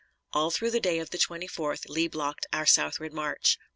All through the day of the 24th Lee blocked our southward march.